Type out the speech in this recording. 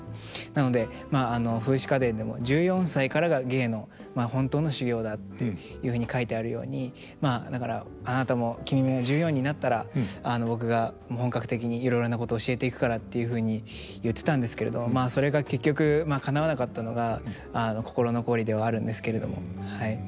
なので「『風姿花伝』でも１４歳からが芸の本当の修行だっていうふうに書いてあるようにまあだからあなたも君も１４になったら僕が本格的にいろいろなこと教えていくから」っていうふうに言ってたんですけれどまあそれが結局かなわなかったのが心残りではあるんですけれども。